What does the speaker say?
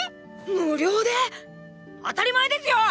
無料で⁉当たり前ですよ！